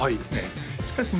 しかしね